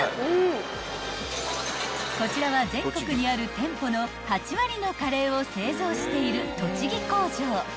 ［こちらは全国にある店舗の８割のカレーを製造している］